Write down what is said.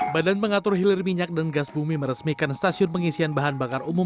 badan pengatur hilir minyak dan gas bumi meresmikan stasiun pengisian bahan bakar umum